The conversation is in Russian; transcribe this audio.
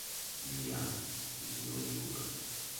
Миасс — зелёный город